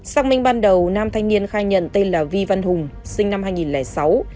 xác minh ban đầu nam thanh niên khai nhận tên là vi văn hùng sinh năm hai nghìn sáu